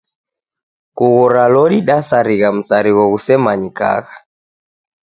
Kughora loli dasarigha msarigho ghusemanyikagha.